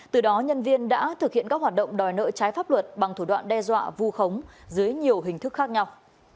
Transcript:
từ đó nhân viên đã thực hiện các hoạt động đòi nợ trái pháp luật bằng thủ đoạn đe dọa vu khống dưới nhiều hình thức khác nhau